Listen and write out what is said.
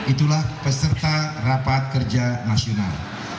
itulah peserta rapat kerja nasional